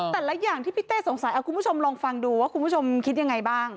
แต่ละอย่างที่พี่เต้สงสัยคุณผู้ชมลองฟังดูว่าคุณผู้ชมคิดยังไงบ้าง